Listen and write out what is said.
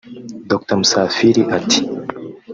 Dr Musafiri ati